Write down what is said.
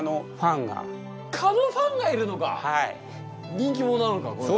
人気者なのかこの蚊。